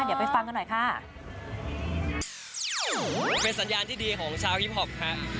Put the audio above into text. เดี๋ยวไปฟังกันหน่อยค่ะเป็นสัญญาณที่ดีของชาวฮิปพอปค่ะ